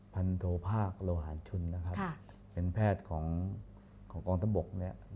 พันธุภาคโลหารชุนเป็นแพทย์ของกองทะบก